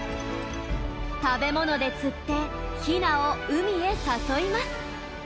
食べ物でつってヒナを海へ誘います。